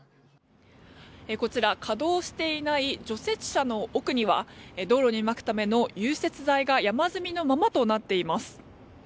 こちら稼働していない除雪車の奥には道路にまくための融雪剤が山積みのままとなっています。